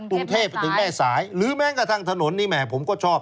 กรุงเทพไปถึงแม่สายหรือแม้กระทั่งถนนนี่แหมผมก็ชอบ